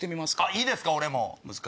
いいですか俺も。